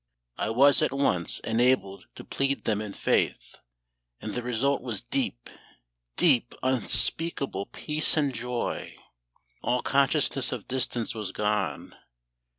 I was at once enabled to plead them in faith, and the result was deep, deep, unspeakable peace and joy. All consciousness of distance was gone.